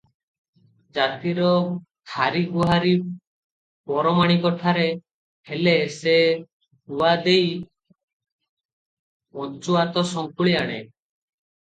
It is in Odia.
ଜାତିର ହାରିଗୁହାରି ପରମାଣିକ ଠାରେ ହେଲେ ସେ ଗୁଆ ଦେଇ ପଞ୍ଚୁଆତ ସଙ୍କୁଳି ଆଣେ ।